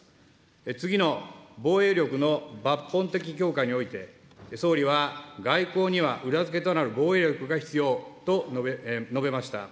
次の防衛力の抜本的強化において、総理は外交には裏付けとなる防衛力が必要と述べました。